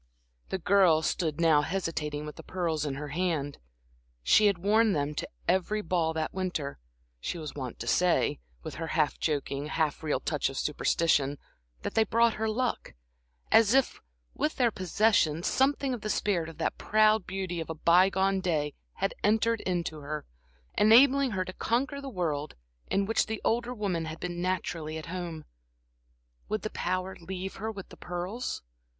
The girl stood now hesitating with the pearls in her hand. She had worn them to every ball that winter, she was wont to say, with her half joking, half real touch of superstition, that they brought her luck; as if, with their possession, something of the spirit of that proud beauty of a by gone day had entered into her, enabling her to conquer the world in which the older woman had been naturally at home. Would the power leave her with the pearls?